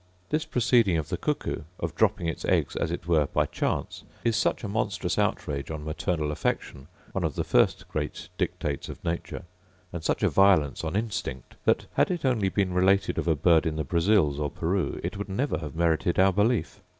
This proceeding of the cuckoo, of dropping its eggs as it were by chance, is such a monstrous outrage on maternal affection, one of the first great dictates of nature, and such a violence on instinct, that, had it only been related of a bird in the Brazils, or Peru, it would never have merited our belief.